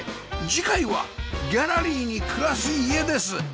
次回は「ギャラリーに暮らす」家です